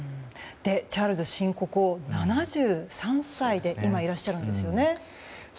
チャールズ新国王は今、７３歳でいらっしゃるんですよね。